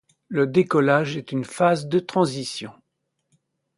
Le décollage est une phase de transition.